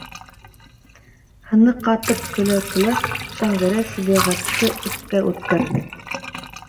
- Һыны ҡатып көлә-көлә, Шәңгәрәй Сибәғәтте эскә үткәрҙе.